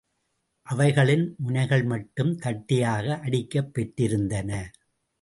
அவைகளின் முனைகள்மட்டும் தட்டையாக அடிக்கப்பெற்றிருந்தன.